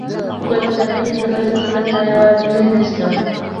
ګل صنمې، زه به هیڅکله تا یوازې پرېنږدم.